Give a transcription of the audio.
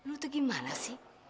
untuk gimana sih